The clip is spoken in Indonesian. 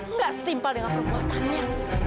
nggak simpel dengan perbuatannya